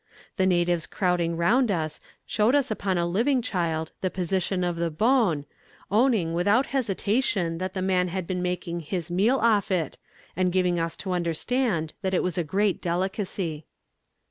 The natives crowding round us, showed us upon a living child the position of the bone, owning without hesitation that the man had been making his meal off it, and giving us to understand that it was a great delicacy.